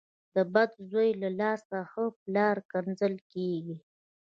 د بد زوی له لاسه ښه پلار کنځل کېږي .